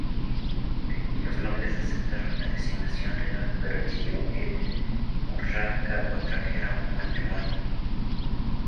Los nobles aceptaron la designación real pero exigieron que Urraca contrajera un nuevo matrimonio.